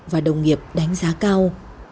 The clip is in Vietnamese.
và đồng nghiệp đánh giá cao